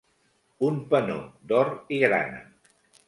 Un penó d'or i grana.